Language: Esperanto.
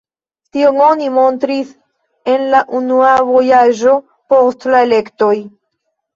Tion oni montris en la unua vojaĝo post la elektoj.